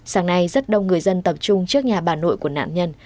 sáng nay rất đông người dân tập trung trước nhà bà nội của nạn nhân